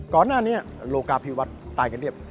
ก่อนหน้านี้โรคการ์ภิวัฒน์ตายกันเรียบ